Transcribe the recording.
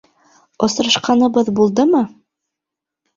Осрашҡаныбыҙ булдымы?